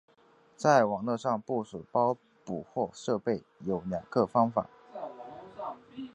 在网络上部署包捕获设备有两个方法。